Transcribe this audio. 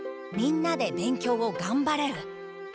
みんなで勉強をがんばれる。